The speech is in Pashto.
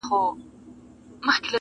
که دیدن کړې ګودر ته راسه،